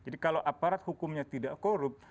jadi kalau aparat hukumnya tidak korup